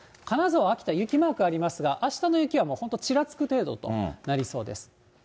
金沢、秋田、雪マークありますが、あしたの雪は本当ちらつく程度となりそうです。